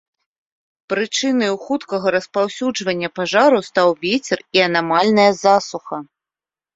Прычынаю хуткага распаўсюджвання пажару стаў вецер і анамальная засуха.